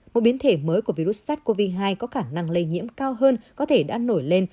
một biến thể mới của virus sars cov hai có khả năng lây nhiễm cao hơn có thể đã nổi lên